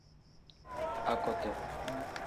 Akoto.